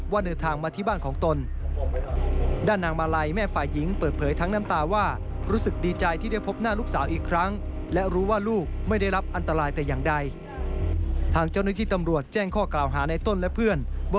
เดินทางมาที่บ้านของตน